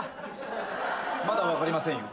まだ分かりませんよ。